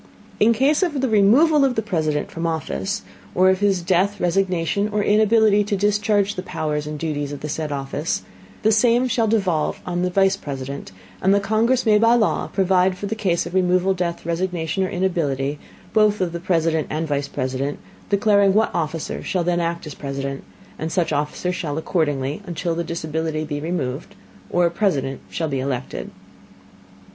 In Case of the Removal of the President from Office, or of his Death, Resignation, or Inability to discharge the Powers and Duties of the said Office, the Same shall devolve on the Vice President, and the Congress may by Law provide for the Case of Removal, Death, Resignation or Inability, both of the President and Vice President, declaring what Officer shall then act as President, and such Officer shall act accordingly, until the Disability be removed, or a President shall be elected.